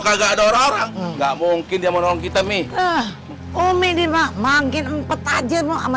kagak ada orang orang nggak mungkin dia mau nolong kita mi umi lima empat aja mau sama